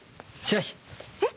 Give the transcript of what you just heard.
えっ？